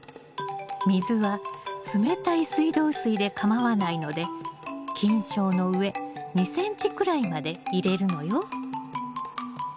水は冷たい水道水でかまわないので菌床の上２ｃｍくらいまで入れるのよ。